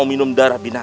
tidak ada apa apa